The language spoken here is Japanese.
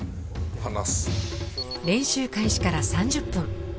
練習開始から３０分。